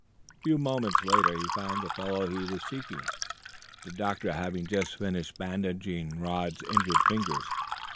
A few moments later he found the fellow he was seeking, the doctor having just finished bandaging Rod's injured fingers.